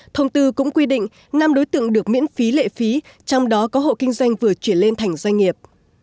thông tư cũng quy định năm đối tượng được miễn phí lệ phí trong đó có hộ kinh doanh vừa chuyển lên thành doanh nghiệp